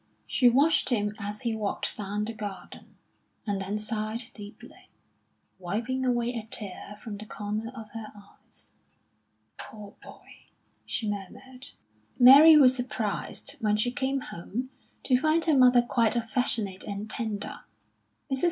She watched him as he walked down the garden, and then sighed deeply, wiping away a tear from the corner of her eyes. "Poor boy!" she murmured. Mary was surprised, when she came home, to find her mother quite affectionate and tender. Mrs.